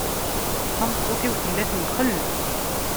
Tameṭṭut-iw tella temxell.